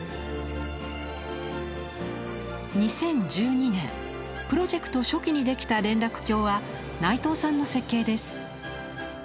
２０１２年プロジェクト初期にできた連絡橋は内藤さんの設計です。